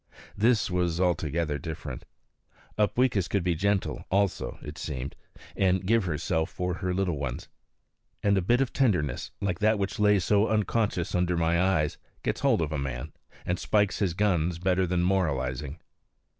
This was altogether different. Upweekis could be gentle also, it seemed, and give herself for her little ones. And a bit of tenderness, like that which lay so unconscious under my eyes, gets hold of a man, and spikes his guns better than moralizing.